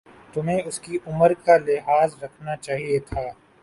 تمہیں اسکی عمر کا لحاظ رکھنا چاہیۓ تھا